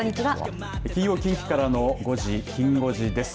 金曜近畿からの５時ニュースきん５時です。